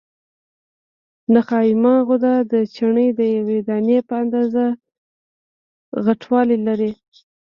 نخامیه غده د چڼې د یوې دانې په اندازه غټوالی لري.